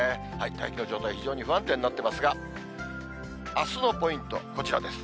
大気の状態、非常に不安定になっていますが、あすのポイント、こちらです。